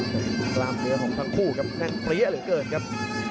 แต่กล้ามเนื้อของทั้งคู่ครับแน่นเปรี้ยเหลือเกินครับ